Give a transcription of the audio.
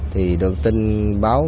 thì được tin báo